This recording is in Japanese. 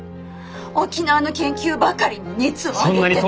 沖縄の研究ばかりに熱を上げて。